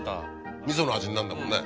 味噌の味になるんだもんね